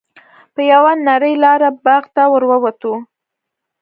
په یوه نرۍ لاره باغ ته ور ووتو.